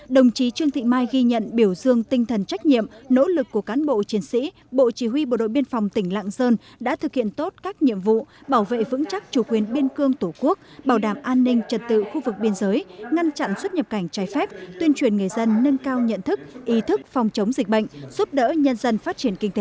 đồng chí trương thị mai ghi nhận biểu dương tinh thần trách nhiệm nỗ lực của cán bộ chiến sĩ bộ chỉ huy bộ đội biên phòng tỉnh lạng sơn đã thực hiện tốt các nhiệm vụ bảo vệ vững chắc chủ quyền biên cương tổ quốc bảo đảm an ninh trật tự khu vực biên giới ngăn chặn xuất nhập cảnh trái phép tuyên truyền người dân nâng cao nhận thức ý thức phòng chống dịch bệnh giúp đỡ nhân dân phát triển kinh tế